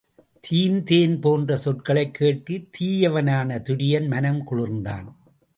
தீந் தேன்போன்ற சொற்களைக் கேட்டுத் தீயவனான துரியன் மனம் குளிர்ந்தான்.